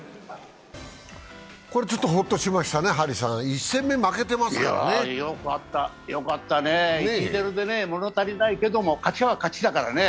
これ、ちょっとホット￥としましたね、１戦目負けてますからねよかったね、１−０で物足りないけれども、勝ちは勝ちだからね。